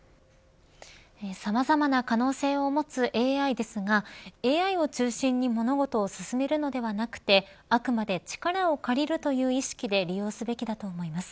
さまざまな可能性を持つＡＩですがＡＩを中心に物事を進めるのではなくてあくまで力を借りるという意識で利用すべきだと思います。